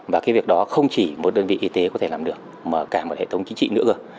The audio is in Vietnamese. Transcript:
và cái việc đó không chỉ một đơn vị y tế có thể làm được mà cả một hệ thống chính trị nữa